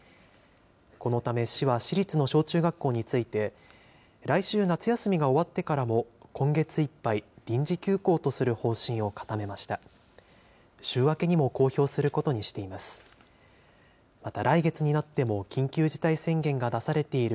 このため、市は市立の小中学校について、来週、夏休みが終わってからも今月いっぱい、臨時休校とする方針を固めました。